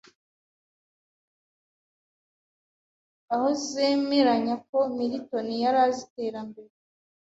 aho zemeranya ko Milton yari azi iterambere